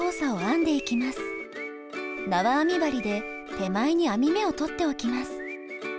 なわ編み針で手前に編み目を取っておきます。